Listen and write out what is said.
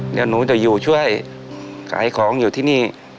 เดี๋ยวหนูจะอยู่ช่วยขายของอยู่ที่นี่